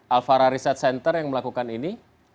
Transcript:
alfarah research center yang melakukan ini